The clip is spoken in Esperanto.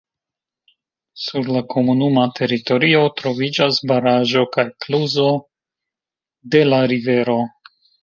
Sur la komunuma teritorio troviĝas baraĵo kaj kluzo de la rivero.